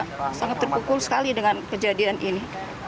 sangat terpukul sekali dengan kejadian ini